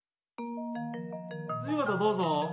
次の方どうぞ！